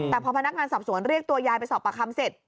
แต่พอพนักงานสอบสวนเรียกตัวยายไปสอบปากคำเสร็จ